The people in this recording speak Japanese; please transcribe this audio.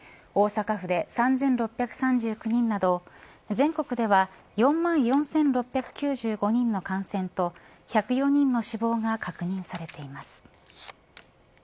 大阪府で３６３９人など全国では４万４６９５人の感染と１０４人の死亡が確認されています。